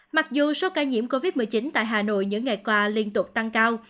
mặc dù số ca nhiễm covid một mươi chín tại hà nội những ngày qua liên tục tăng cao